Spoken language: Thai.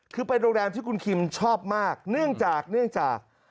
คือเป็นโรงแรมที่คุณคิมชอบมากเนื่องจาก